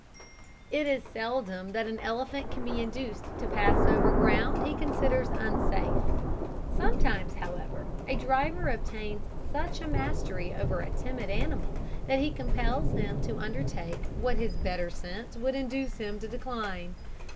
It is seldom that an elephant can be induced to pass over ground he considers unsafe. Sometimes, however, a driver obtains such a mastery over a timid animal, that he compels him to undertake what his better sense would induce him to decline.